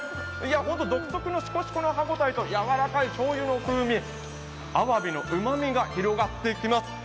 独特のしこしこの歯ごたえとやわらかいしょうゆの風味、あわびのうまみが広がっていきます。